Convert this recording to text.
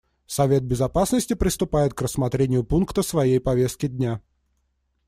Совет Безопасности приступает к рассмотрению пункта своей повестки дня.